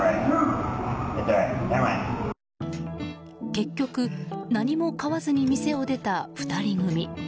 結局、何も買わずに店を出た２人組。